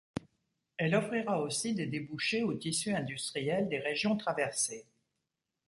Elle offrira aussi des débouchés au tissu industriel des régions traversées.